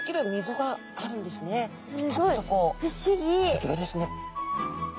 すギョいですね。